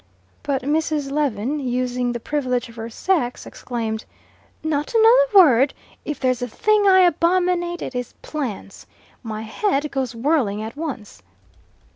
but Mrs. Lewin, using the privilege of her sex, exclaimed, "Not another word. If there's a thing I abominate, it is plans. My head goes whirling at once."